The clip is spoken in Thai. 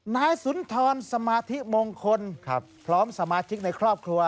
นายสุนทรสมาธิมงคล